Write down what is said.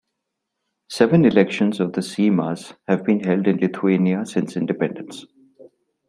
Seven elections of the Seimas have been held in Lithuania since independence.